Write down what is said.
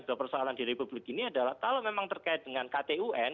sebuah persoalan di republik ini adalah kalau memang terkait dengan ktun